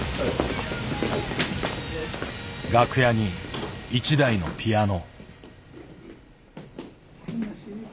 楽屋に一台のピアノ。